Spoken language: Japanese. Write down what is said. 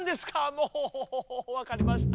もうわかりました。